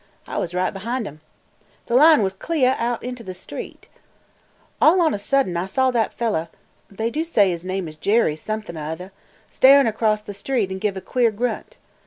I was right behind 'em. The line was cleah out inter the street. All on a sudden I saw that fellah (they do say his name is Jerry something or other) staring across the street an' give a queer grunt.